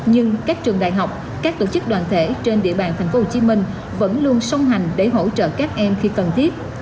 nhưng các trường đại học các tổ chức đoàn thể trên địa bàn tp hcm vẫn luôn song hành để hỗ trợ các em khi cần thiết